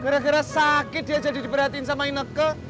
gara gara sakit dia jadi diperhatiin sama ineke